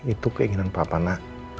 itu keinginan papa na